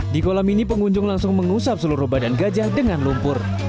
di kolam ini pengunjung langsung mengusap seluruh badan gajah dengan lumpur